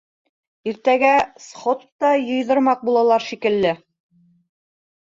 Иртәгә сход та йыйҙырмаҡ булалар шикелле.